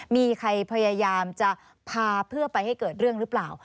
มีใครพยายามจะพาเพื่อไปให้เกิดเรื่องหรือเปล่า